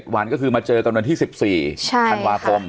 วันก็คือมาเจอกันวันที่๑๔ธันวาคม